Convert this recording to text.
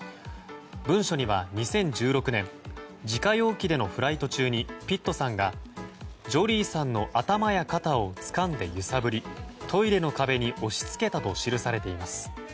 文書には２０１６年自家用機でのフライト中にピットさんがジョリーさんの頭や肩をつかんで揺さぶりトイレの壁に押し付けたと記されています。